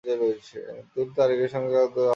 তিনি তারিকের সাথে চুক্তিতে আবদ্ধ হন।